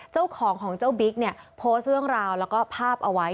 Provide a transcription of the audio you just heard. เจ้าของของเจ้าบิ๊กเนี่ยโพสต์เรื่องราวแล้วก็ภาพเอาไว้